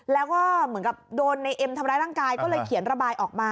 แล้วก็เหมือนกับโดนในเอ็มทำร้ายร่างกายก็เลยเขียนระบายออกมา